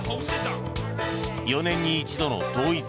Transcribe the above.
４年に一度の統一